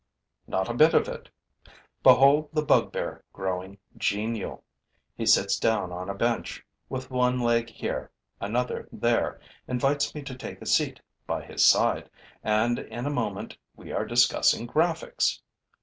Not a bit of it. Behold the bugbear growing genial. He sits down on a bench, with one leg here, another there, invites me to take a seat by his side and, in a moment, we are discussing graphics.